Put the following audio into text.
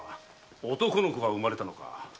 男の子が産まれたのか。